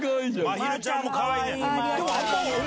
まひるちゃんもかわいいね。